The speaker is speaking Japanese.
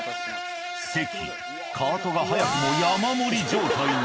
関カートが早くも山盛り状態に。